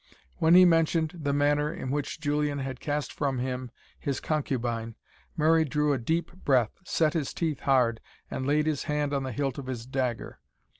When he mentioned the manner in which Julian had cast from him his concubine, Murray drew a deep breath, set his teeth hard, and laid his hand on the hilt of his dagger.